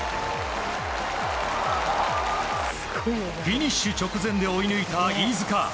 フィニッシュ直前で追い抜いた飯塚。